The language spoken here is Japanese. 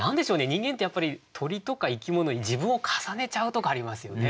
人間ってやっぱり鳥とか生き物に自分を重ねちゃうとこありますよね。